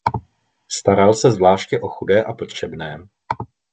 Staral se zvláště o chudé a potřebné.